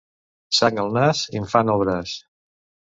Sang al nas, infant al braç.